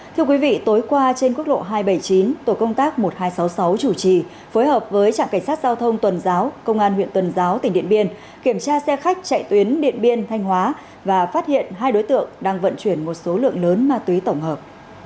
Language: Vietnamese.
thưa quý vị tối qua trên quốc lộ hai trăm bảy mươi chín tổ công tác một nghìn hai trăm sáu mươi sáu chủ trì phối hợp với trạm cảnh sát giao thông tuần giáo công an huyện tuần giáo tỉnh điện biên kiểm tra xe khách chạy tuyến điện biên thanh hóa và phát hiện hai đối tượng đang vận chuyển một số lượng lớn ma túy tổng hợp